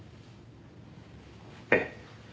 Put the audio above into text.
ええ。